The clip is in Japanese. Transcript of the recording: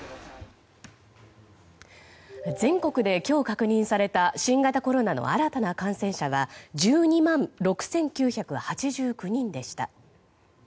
全国で今日確認された新型コロナの新たな感染者は１２万６９８９人でした。